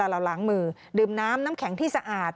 เราล้างมือดื่มน้ำน้ำแข็งที่สะอาด